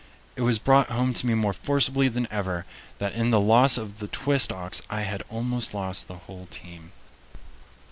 It was brought home to me more forcibly than ever that in the loss of the Twist ox I had almost lost the whole team.